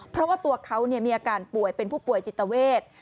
เพราะว่าตัวเขามีอาการป่วยเป็นผู้ป่วยจิตเวท